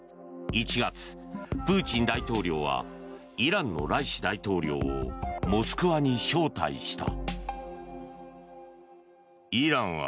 １月、プーチン大統領はイランのライシ大統領をモスクワに招待した。